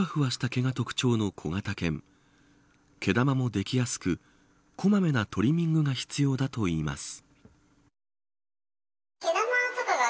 毛玉もできやすくこまめなトリミングが必要だといいます。